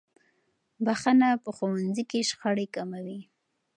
بخښنه په ښوونځي کې شخړې کموي.